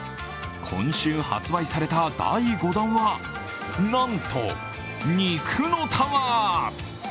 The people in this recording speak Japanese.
今週発売された第５弾は、なんと、肉のタワー。